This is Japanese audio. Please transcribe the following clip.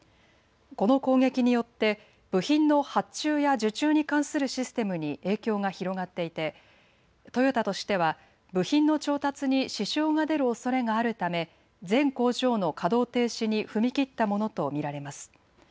この攻撃によって部品の発注や受注に関するシステムに影響が広がっていてトヨタとしては部品の調達に支障が出るおそれがあるため全工場の稼働停止に踏み切ったものと見られます。